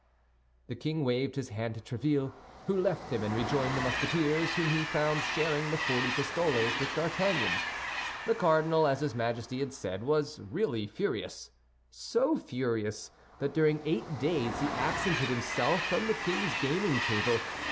The king waved his hand to Tréville, who left him and rejoined the Musketeers, whom he found sharing the forty pistoles with D'Artagnan. The cardinal, as his Majesty had said, was really furious, so furious that during eight days he absented himself from the king's gaming table.